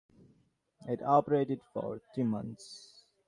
It operated for three months.